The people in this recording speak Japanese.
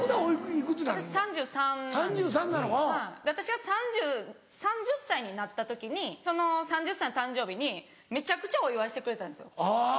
で私が３０歳になった時にその３０歳の誕生日にめちゃくちゃお祝いしてくれたんですよ。